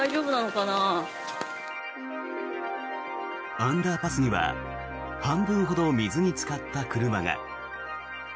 アンダーパスには半分ほど水につかった車が。